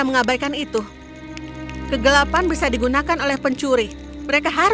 yang mulia aku yakin desa tetangga membutuhkan bantuan kita